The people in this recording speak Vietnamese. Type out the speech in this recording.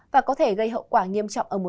và có thể gây hậu quả nghiêm trọng ở một số nơi